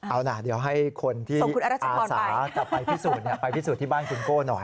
เอานะเดี๋ยวให้คนที่อาสาจะไปพิสูจน์ไปพิสูจน์ที่บ้านคุณโก้หน่อย